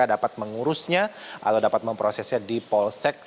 dapat mengurusnya atau dapat memprosesnya di polsek